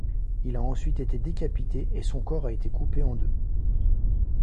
Il a ensuite été décapité et son corps a été coupé en deux.